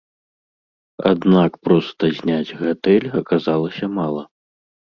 Аднак проста зняць гатэль аказалася мала.